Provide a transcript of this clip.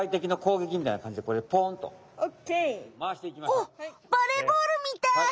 おっバレーボールみたい。